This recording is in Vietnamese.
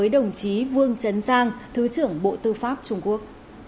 đồng chí vương trấn giang thứ trưởng bộ tư pháp trung quốc